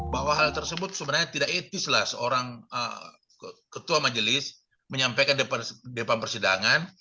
bahwa hal tersebut sebenarnya tidak etis lah seorang ketua majelis menyampaikan depan persidangan